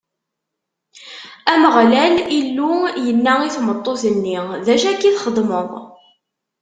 Ameɣlal Illu yenna i tmeṭṭut-nni: D acu akka i txedmeḍ?